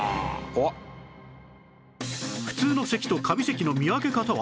普通の咳とカビ咳の見分け方は？